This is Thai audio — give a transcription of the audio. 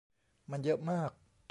มันเยอะมาก